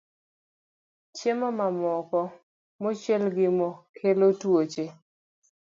Chiemo mamoko mochiel gi mo kelo tuoche